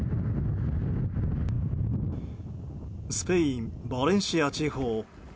スペイン・バレンシア地方。